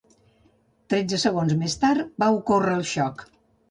Tretze segons més tard, va ocórrer el xoc.